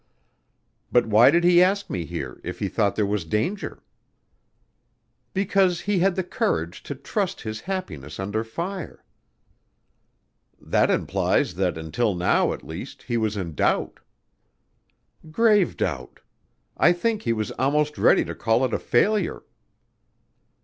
"But why did he ask me here, if he thought there was danger?" "Because he had the courage to trust his happiness under fire." "That implies that until now at least he was in doubt." "Grave doubt. I think he was almost ready to call it all a failure."